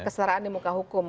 kestaraan di muka hukum